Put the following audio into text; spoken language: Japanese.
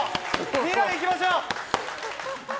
みんなで行きましょう！